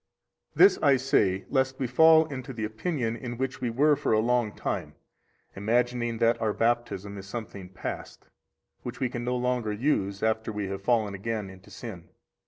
80 This I say lest we fall into the opinion in which we were for a long time, imagining that our Baptism is something past, which we can no longer use after we have fallen again into sin.